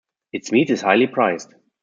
Its meat is highly prized.